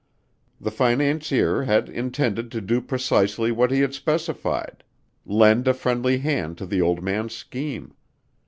The financier had intended to do precisely what he had specified, lend a friendly hand to the old man's scheme.